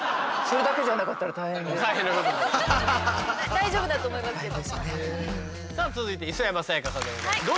大丈夫だと思いますけど。